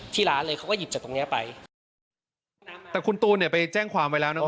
ร้านเลยเขาก็หยิบจากตรงเนี้ยไปแต่คุณตูนเนี่ยไปแจ้งความไว้แล้วนะ